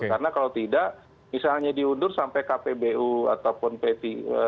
karena kalau tidak misalnya diundur sampai kpbu ataupun pt